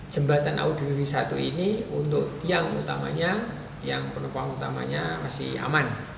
jembatan aud dua puluh satu ini untuk tiang utamanya tiang penumpang utamanya masih aman